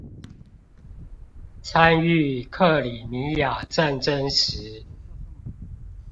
參與克里米亞戰爭時